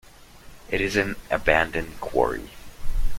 It is an abandoned Quarry.